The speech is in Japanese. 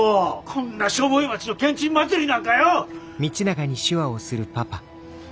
こんなしょぼい町のけんちん祭りなんかよ！